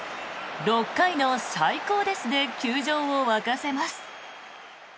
６回の最高ですで球場を沸かせます。